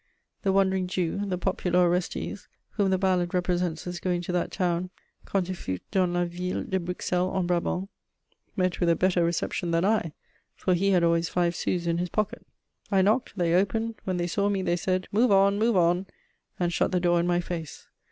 The wandering Jew, the popular Orestes, whom the ballad represents as going to that town: Quand il fut dans la ville De Bruxelle en Brabant, met with a better reception than I, for he had always five sous in his pocket. I knocked: they opened; when they saw me they said, "Move on, move on!" and shut the door in my face.